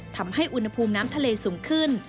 ทำให้อุณหภูมิน้ำทะเลสูงขึ้น